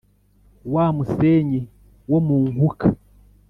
wa musenyi wo mu nkuka